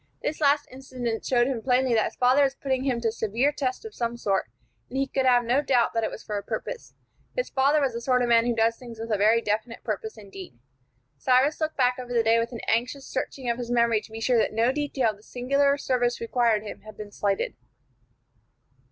This last incident showed him plainly that his father was putting him to a severe test of some sort, and he could have no doubt that it was for a purpose. His father was the sort of man who does things with a very definite purpose indeed. Cyrus looked back over the day with an anxious searching of his memory to be sure that no detail of the singular service required of him had been slighted.